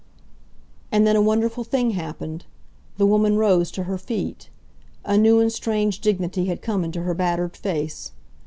And then a wonderful thing happened. The woman rose to her feet. A new and strange dignity had come into her battered face.